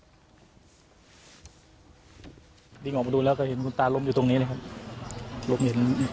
ตอนนั้นเขาก็เลยรีบวิ่งออกมาดูตอนนั้นเขาก็เลยรีบวิ่งออกมาดูตอนนั้นเขาก็เลยรีบวิ่งออกมาดู